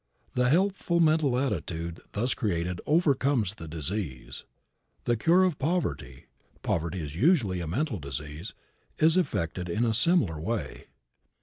The healthful mental attitude thus created overcomes the disease. The cure of poverty, poverty is usually a mental disease, is effected in a similar way.